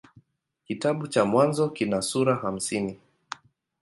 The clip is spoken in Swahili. Kitabu cha Mwanzo kina sura hamsini.